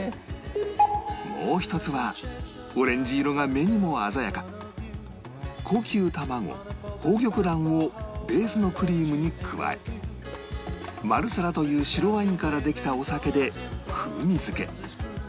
もう一つはオレンジ色が目にも鮮やか高級卵宝玉卵をベースのクリームに加えマルサラという白ワインからできたお酒で風味づけ